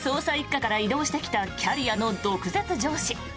１課から異動してきたキャリアの毒舌上司。